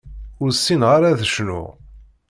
Ur ssineɣ ara ad cnuɣ.